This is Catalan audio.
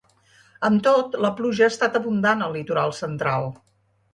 Amb tot, la pluja ha estat abundant al litoral central.